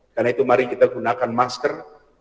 karena itu mari kita gunakan masker